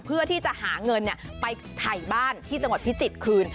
เพื่อที่จะหาเงินไปถ่ายบ้านที่จังหวัดพิจิตรคืน